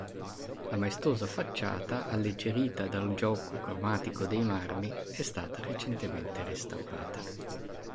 La maestosa facciata, alleggerita dal gioco cromatico dei marmi, è stata recentemente restaurata.